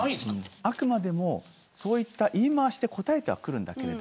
あくまでもそういった言い回しで答えてはきます。